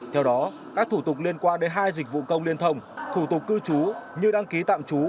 theo đó các thủ tục liên quan đến hai dịch vụ công liên thông thủ tục cư trú như đăng ký tạm trú